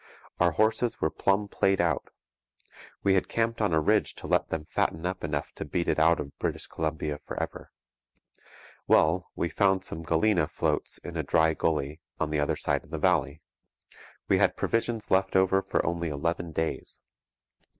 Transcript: Our horses were plumb played out. We had camped on a ridge to let them fatten up enough to beat it out of British Columbia for ever. Well, we found some galena "floats" in a dry gully on the other side of the valley. We had provisions left for only eleven days.